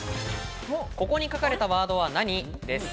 「ここに書かれたワードは何？」です。